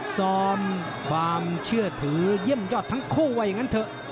ซ้อมความเชื่อถือเยี่ยมยอดทั้งคู่ว่าอย่างนั้นเถอะ